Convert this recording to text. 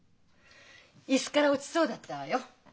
椅子から落ちそうだったわよ。